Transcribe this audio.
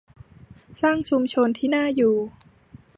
สร้างชุมชนที่น่าอยู่